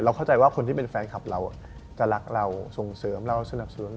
เข้าใจว่าคนที่เป็นแฟนคลับเราจะรักเราส่งเสริมเราสนับสนุน